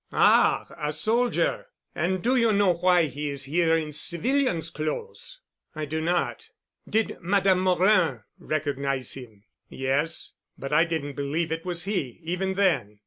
"Ah—a soldier! And do you know why he is here in civilian's clothes?" "I do not." "Did Madame Morin recognize him?" "Yes. But I didn't believe it was he—even then."